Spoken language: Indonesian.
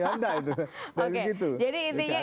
anda itu oke jadi intinya